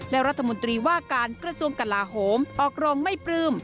และรัฐมนตรีว่าการกระทรวงกลาโหมออกโรงไม่ปลื้ม